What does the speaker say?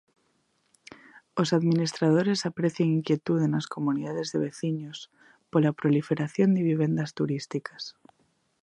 Os administradores aprecian inquietude nas comunidades de veciños pola proliferación de vivendas turísticas.